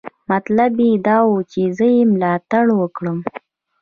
مطلب یې دا و چې زه یې ملاتړ وکړم.